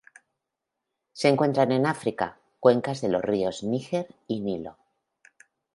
Se encuentran en África: cuencas de los ríos Níger y Nilo.